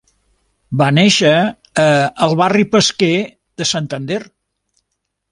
Va néixer a El Barri Pesquer de Santander.